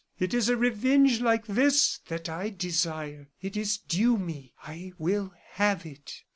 It is a revenge like this that I desire. It is due me; I will have it!"